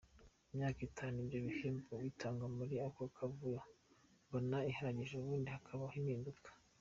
Imyaka itanu ibyo bihembo bitangwa muri ako kavuyo mbona ihagije, ubundi hakabaho impinduka.